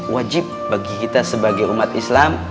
wajib bagi kita sebagai umat islam